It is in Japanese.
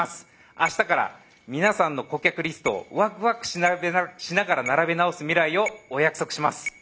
あしたから皆さんの顧客リストをワクワクしなしながら並べ直す未来をお約束します。